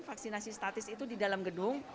vaksinasi statis itu di dalam gedung